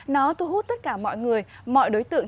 nó thu hút tất cả mọi người mọi đối tượng